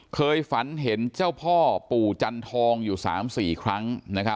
เคยฝันเห็นเจ้าพ่อปู่จันทองอยู่๓๔ครั้ง